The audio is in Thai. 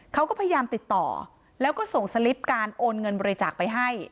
เขาก็พยายามติดต่อแล้วก็ส่งสลิปการโอนเงินบริจาคไปให้